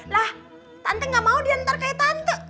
lah tante gak mau diantar kayak tante tante